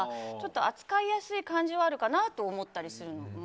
扱いやすい感じはあるかなと思ったりはする。